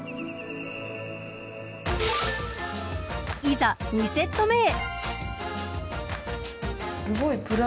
いざ、２セット目へ。